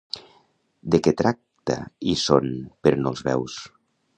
De què tracta Hi són però no els veus?